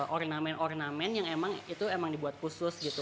ornamen ornamen yang emang itu emang dibuat khusus gitu